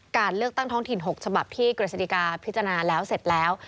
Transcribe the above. การเลือกตั้งท้องถิ่น๖ฉบับที่กฤษฎิกาพิจารณาแล้วเสร็จแล้ว